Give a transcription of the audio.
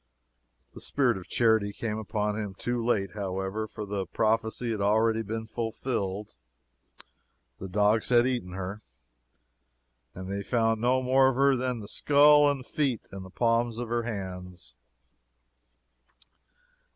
The spirit of charity came upon him too late, however, for the prophecy had already been fulfilled the dogs had eaten her, and they "found no more of her than the skull, and the feet, and the palms of her hands."